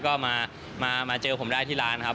ก็มาเจอผมได้ที่ร้านครับ